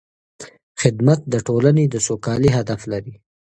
خدمت د ټولنې د سوکالۍ هدف لري.